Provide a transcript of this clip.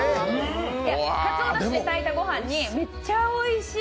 かつおだしで炊いた御飯にめっちゃおいしい。